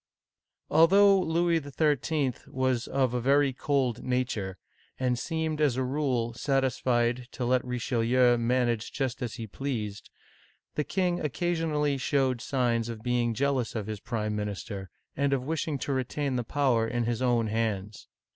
ALTHOUGH Louis XIII. was of a very cold nature, and seemed as a rule satisfied to let Richelieu manage just as he pleased, the king occasionally showed signs of being jealous of his prime minister, and of wishing to retain the power in his own hands.